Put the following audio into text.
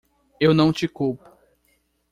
Eu não te culpo.